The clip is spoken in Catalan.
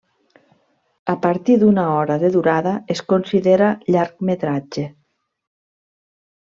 A partir d'una hora de durada es considera llargmetratge.